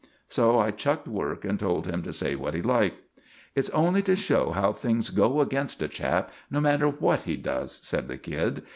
So I chucked work, and told him to say what he liked. "It's only to show how things go against a chap, no matter what he does," said the kid.